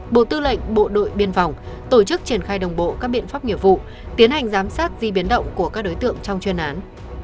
bộ tư lệnh bộ đội biên phòng tổ chức triển khai đồng bộ các biện pháp nghiệp vụ tiến hành giám sát di biến động của các đối tượng trong chuyên án